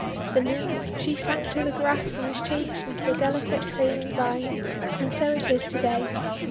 The Nymph, she sank to the grass and was changed into a delicate trailing vine. And so it is to day.